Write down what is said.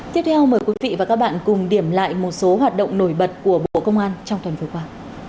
tiếp theo mời quý vị và các bạn cùng điểm lại một số hoạt động nổi bật của bộ công an trong tuần vừa qua